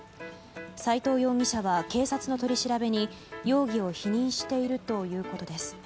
斉藤容疑者は警察の取り調べに容疑を否認しているということです。